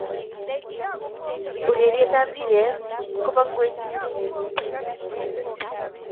ureriet ap mpiret kopo ngueny